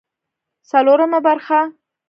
څلورمه برخه